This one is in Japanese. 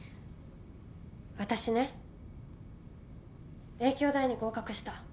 私ね英京大に合格した。